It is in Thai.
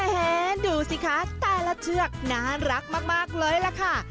ดูสิคะแต่ละเชือกน่ารักมากเลยล่ะค่ะ